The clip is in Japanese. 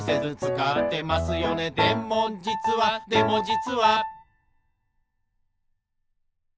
「でもじつはでもじつは」